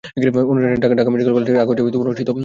অনুষ্ঠানটি ঢাকা মেডিকেল কলেজে আগস্ট মাসে অনুষ্ঠিত হয়েছিলো।